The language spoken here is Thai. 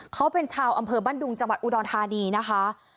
เขาเป็นชาวอำเภอบ้านดุงจังหวัดอุดรธานีนะคะ